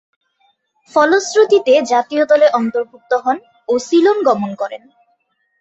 ফলশ্রুতিতে, জাতীয় দলে অন্তর্ভুক্ত হন ও সিলন গমন করেন।